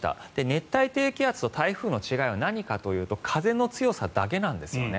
熱帯低気圧と台風の違いは何かというと風の強さだけなんですよね。